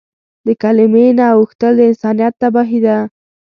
له کلیمې نه اوښتل د انسانیت تباهي ده.